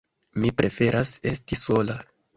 Mi preferas esti sola.